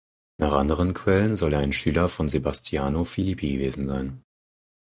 Nach anderen Quellen soll er ein Schüler von Sebastiano Filippi gewesen sein.